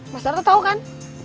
mas darto tau kan